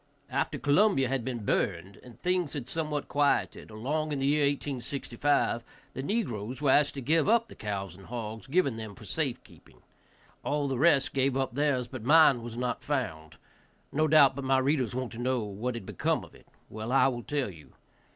After Columbia had been burned, and things had somewhat quieted, along in the year 1865, the negroes were asked to give up the cows and hogs given them for safe keeping; all the rest gave up theirs, but mine was not found. No doubt but my readers want to know what had become of it. Well, I will tell you.